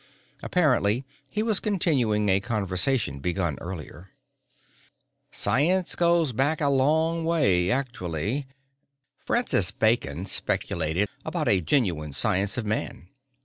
Apparently he was continuing a conversation begun earlier: "... science goes back a long way, actually. Francis Bacon speculated about a genuine science of man.